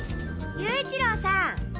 勇一郎さん。